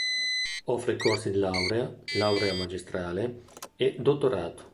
Offre corsi di laurea, laurea magistrale e dottorato.